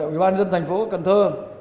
ủy ban dân thành phố cần thơ